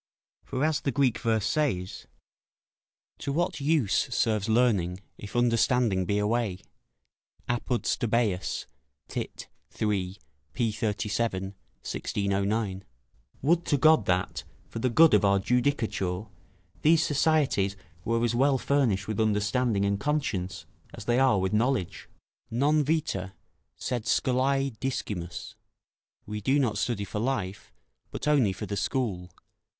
For as the Greek verse says ["To what use serves learning, if understanding be away." Apud Stobaeus, tit. iii., p. 37 (1609).] Would to God that, for the good of our judicature, these societies were as well furnished with understanding and conscience as they are with knowledge. "Non vita, sed scolae discimus." ["We do not study for life, but only for the school."